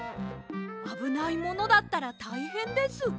あぶないものだったらたいへんです。